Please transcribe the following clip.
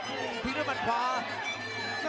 โอ้โหไม่ซะดัด